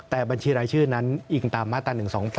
แต่บัญชีรายชื่อนั้นอิงตามมาตรา๑๒๘